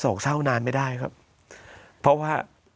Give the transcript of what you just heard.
ส่งเศร้านานไม่ได้ครับแฟมฮะ